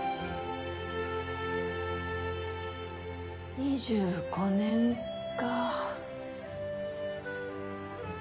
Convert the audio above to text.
２５年か。